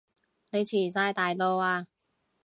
你遲哂大到啊